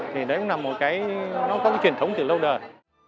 thì đấy cũng là một cái nó có cái truyền thống từ lâu đời